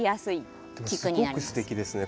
すごくすてきですね。